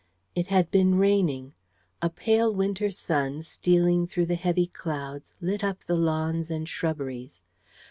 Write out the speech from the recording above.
It had been raining. A pale winter sun, stealing through the heavy clouds, lit up the lawns and shrubberies.